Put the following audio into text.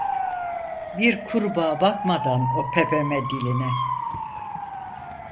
Bir kurbağa bakmadan o pepeme diline.